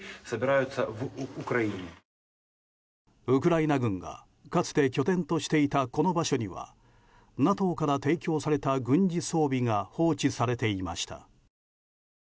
ウクライナ軍がかつて拠点としていたこの場所にはＮＡＴＯから提供された軍事装備が放置されていました。